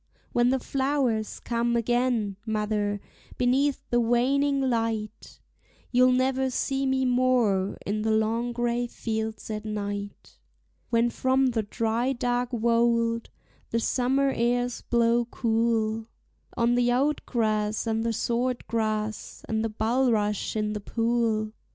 When the flowers come again, mother, beneath the waning light You'll never see me more in the long gray fields at night; When from the dry dark wold the summer airs blow cool On the oat grass and the sword grass, and the bulrush in the pool.